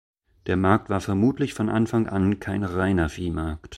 Der Markt war vermutlich von Anfang an kein reiner Viehmarkt.